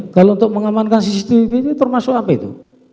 kalau untuk mengamankan cctv ini termasuk apa itu